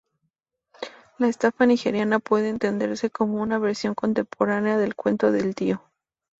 La estafa nigeriana puede entenderse como una versión contemporánea del cuento del tío.